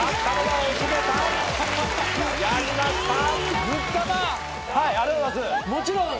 ありがとうございます。